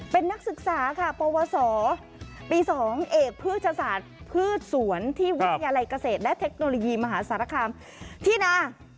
เป็นนักศึกษาค่ะปวสปี๒เอกพฤชศาสตร์พืชสวนที่วิทยาลัยเกษตรและเทคโนโลยีมหาสารคามที่นา